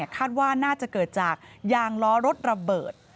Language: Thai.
คาดว่าน่าจะเกิดจากยางล้อรถระเบิด